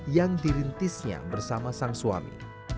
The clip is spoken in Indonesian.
yang dirintisnya bersama sang suami